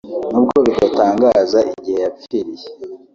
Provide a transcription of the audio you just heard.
nubwo bidatangaza igihe yapfiriye